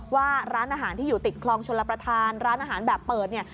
ว่าร้านอาหารที่อยู่ติดคลองชลประธานร้านอาหารแบบเปิดเนี่ย